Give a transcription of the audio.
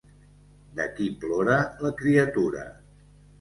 D'aquí plora la criatura.